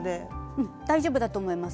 うん大丈夫だと思います。